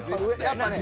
やっぱね。